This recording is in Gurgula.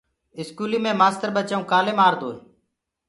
اسڪولي مي مآستر ٻچآئون ڪآلي مآردوئي